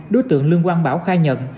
đối tượng lương quang bảo khai nhận